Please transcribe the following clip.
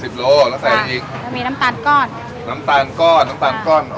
โลแล้วใส่อีกแล้วมีน้ำตาลก้อนน้ำตาลก้อนน้ำตาลก้อน